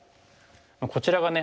こちらがね